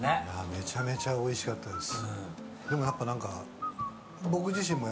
めちゃめちゃおいしかったです。